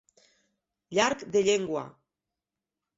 Llarg de llengua.